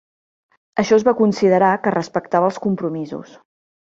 Això es va considerar que respectava els compromisos.